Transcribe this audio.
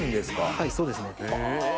はいそうですね。